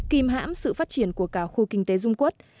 kìm hãm sự phát triển của cả khu kinh tế dung quốc